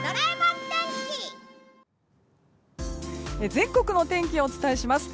全国のお天気をお伝えします。